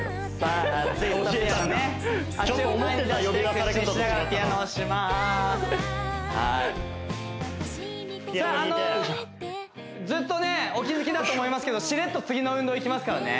あのずっとねお気づきだと思いますけどしれっと次の運動いきますからね